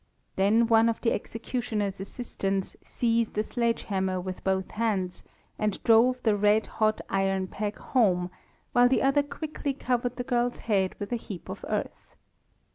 Then one of the executioner's assistants seized a sledge hammer with both hands and drove the red hot iron peg home, while the other quickly covered the girl's head with a heap of earth.